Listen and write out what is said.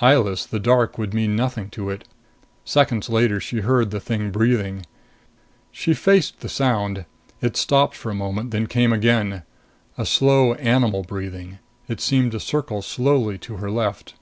Eyeless, the dark would mean nothing to it. Seconds later, she heard the thing breathing. She faced the sound. It stopped for a moment, then it came again. A slow animal breathing. It seemed to circle slowly to her left.